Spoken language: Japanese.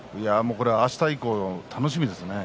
あした以降、楽しみですね。